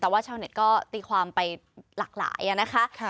แต่ว่าชาวเน็ตก็ตีความไปหลากหลายนะคะ